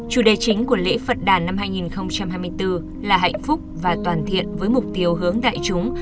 chủ đề chính của lễ phật đàn năm hai nghìn hai mươi bốn là hạnh phúc và toàn thiện với mục tiêu hướng đại chúng